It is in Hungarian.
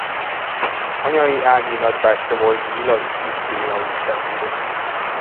Anyai ági nagybátyja volt Zilahi Kiss Béla újságíró.